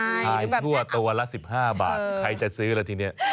ใช่ชั่วตัวละ๑๕บาทใครจะซื้อละทีเนี่ย